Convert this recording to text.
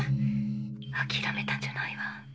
あきらめたんじゃないわ。